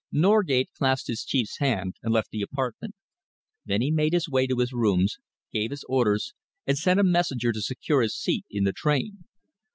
Norgate clasped his Chief's hand and left the apartment. Then he made his way to his rooms, gave his orders and sent a messenger to secure his seat in the train.